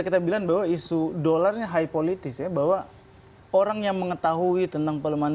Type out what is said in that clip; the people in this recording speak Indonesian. kita bilang bahwa isu dolarnya high politis ya bahwa orang yang mengetahui tentang pelemahan